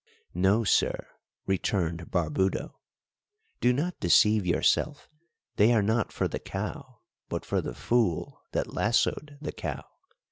"No, sir," returned Barbudo, "do not deceive yourself; they are not for the cow, but for the fool that lassoed the cow.